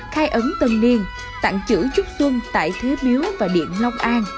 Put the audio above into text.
khai ấn tân niên tặng chữ chúc xuân tại thế biếu và điện long an